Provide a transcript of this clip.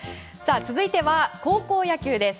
続いては高校野球です。